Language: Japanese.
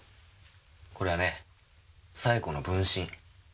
これはね冴子の分身。